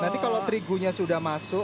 nanti kalau terigunya sudah masuk